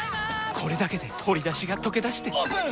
これだけで鶏だしがとけだしてオープン！